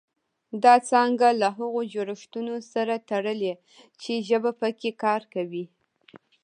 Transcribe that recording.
دا څانګه له هغو جوړښتونو سره تړلې چې ژبه پکې کار کوي